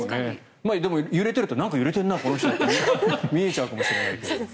でも、揺れてるとなんか揺れてるな、この人って見えちゃうかもしれないけど。